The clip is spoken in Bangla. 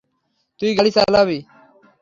তুই গাড়ি চালাবি।